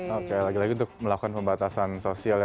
oke lagi lagi untuk melakukan pembatasan sosial ya